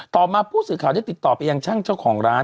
ต่อมาผู้สื่อข่าวได้ติดต่อไปยังช่างเจ้าของร้าน